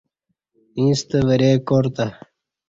ییݩستہ ورئے کار تہ